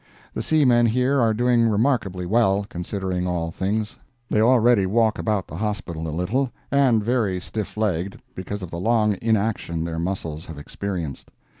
The seamen here are doing remarkably well, considering all things. They already walk about the hospital a little—and very stiff legged, because of the long inaction their muscles have experienced.